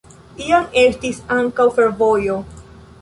Iam estis ankaŭ fervojo.